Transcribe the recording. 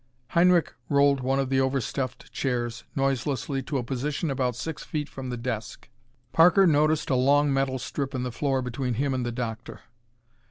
Heinrich rolled one of the overstuffed chairs noiselessly to a position about six feet from the desk. Parker noticed a long metal strip in the floor between him and the doctor.